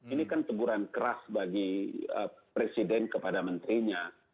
ini kan teguran keras bagi presiden kepada menterinya